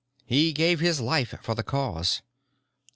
He gave his life for the Cause.